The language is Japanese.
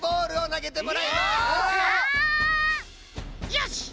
よし！